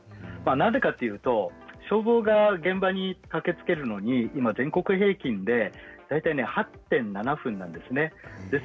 なぜかというと消防が現場に駆けつけるのに全国平均で大体８．７分なんです。